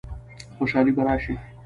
خوشحالي به راشي؟